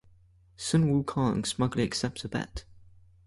Sun Wukong smugly accepts the bet.